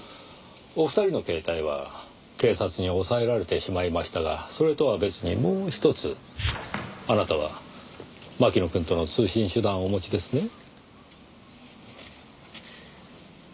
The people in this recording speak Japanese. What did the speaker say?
お二人の携帯は警察に押さえられてしまいましたがそれとは別にもう１つあなたは槙野くんとの通信手段をお持ちですね？